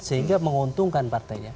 sehingga menguntungkan partainya